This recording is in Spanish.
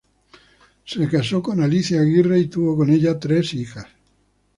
Se casó con Alicia Aguirre y tuvo con ella tres hijas.